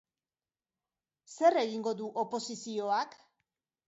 Zer egingo du oposizioak?